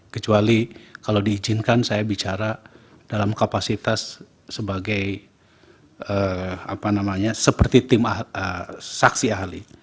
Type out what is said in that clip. kecuali kalau diizinkan saya bicara dalam kapasitas sebagai tim saksi ahli